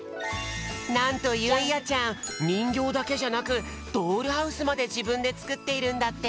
なんとゆいあちゃんにんぎょうだけじゃなくドールハウスまでじぶんでつくっているんだって。